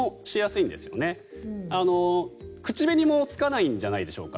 これだと口紅もつかないんじゃないでしょうか。